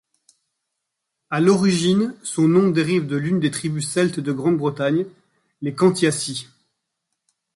À l'origine son nom dérive de l’une des tribus celtes de Grande-Bretagne, les Cantiaci.